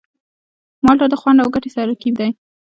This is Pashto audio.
مالټه د خوند او ګټې ترکیب دی.